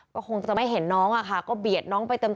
ก็คงจะไม่เห็นน้องอะค่ะก็เบียดน้องไปเต็ม